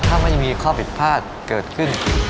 ถ้ามันยังมีข้อผิดพลาดเกิดขึ้น